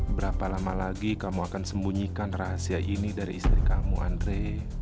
berapa lama lagi kamu akan sembunyikan rahasia ini dari istri kamu andre